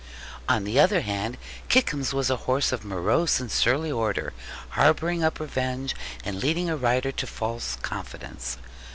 On the other hand, Kickums was a horse of morose and surly order; harbouring up revenge, and leading a rider to false confidence.